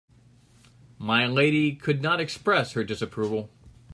My lady could not express her disapproval.